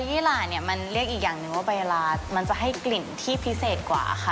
ปลายี๊ระมันเลือกอีกอย่างหนึ่งว่าปลายร้ามันจะให้กลิ่นที่พิเศษกว่าค่ะ